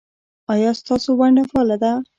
ایا ستاسو ونډه فعاله ده؟